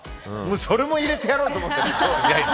それも入れてやろうと思って。